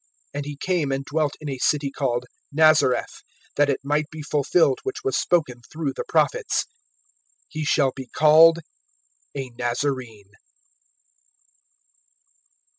(23)And he came and dwelt in a city called Nazareth; that it might be fulfilled which was spoken through the prophets: He shall be called a Nazarene.